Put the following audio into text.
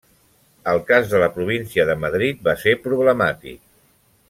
El cas de la província de Madrid va ser problemàtic.